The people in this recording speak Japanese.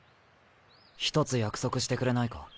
１つ約束してくれないか？